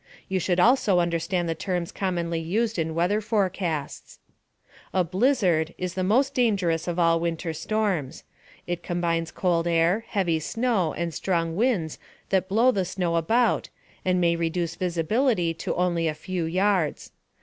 You should also understand the terms commonly used in weather forecasts: A blizzard is the most dangerous of all winter storms. It combines cold air, heavy snow, and strong winds that blow the snow about and may reduce visibility to only a few yards.